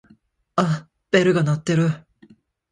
あっベルが鳴ってる。